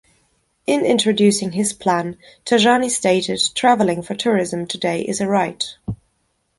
In introducing his plan, Tajani stated, Travelling for tourism today is a right.